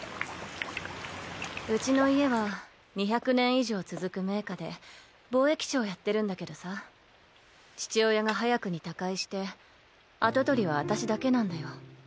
うちの家は２００年以上続く名家で貿易商やってるんだけどさ父親が早くに他界して跡取りは私だけなんだよ。